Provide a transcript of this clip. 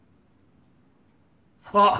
あっ！